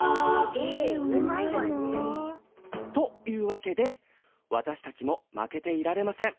絵うまいな。というわけで私たちも負けていられません。